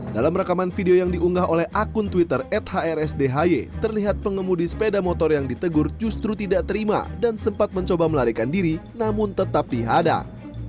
dalam rekaman video yang diunggah oleh akun twitter at hrsdhi terlihat pengemudi sepeda motor yang ditegur justru tidak terima dan sempat mencoba melarikan diri namun tetap dihadang